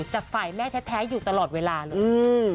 จากฝ่ายแม่แท้อยู่ตลอดเวลาเลย